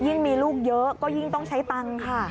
ยิ่งมีลูกเยอะก็ยิ่งต้องใช้ตังค์ค่ะ